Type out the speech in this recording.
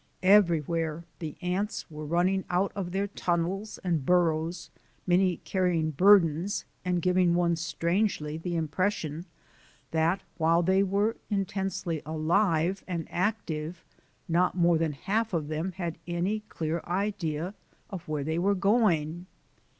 Everywhere the ants were running out of their tunnels and burrows, many carrying burdens and giving one strangely the impression that while they were intensely alive and active, not more than half of them had any clear idea of where they were going.